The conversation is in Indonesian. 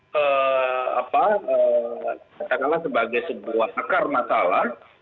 katakanlah sebagai sebuah akar masalah